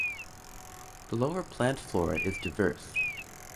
The lower plant flora is diverse.